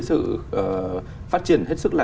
sự phát triển hết sức là